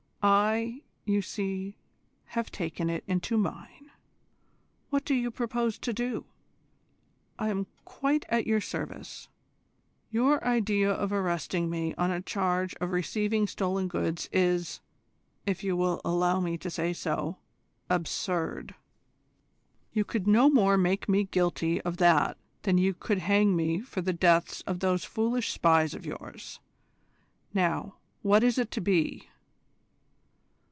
I, you see, have taken it into mine. What do you propose to do? I am quite at your service. Your idea of arresting me on a charge of receiving stolen goods is, if you will allow me to say so, absurd. You could no more make me guilty of that than you could hang me for the deaths of those foolish spies of yours. Now, what is it to be?